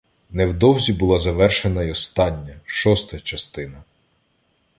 Невдовзі була завершена й остання, шоста частина.